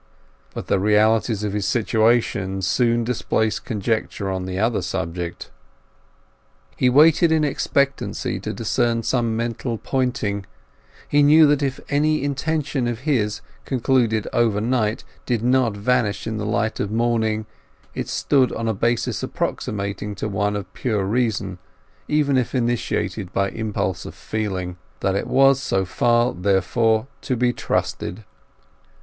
But the realities of his situation soon displaced conjecture on the other subject. He waited in expectancy to discern some mental pointing; he knew that if any intention of his, concluded over night, did not vanish in the light of morning, it stood on a basis approximating to one of pure reason, even if initiated by impulse of feeling; that it was so far, therefore, to be trusted.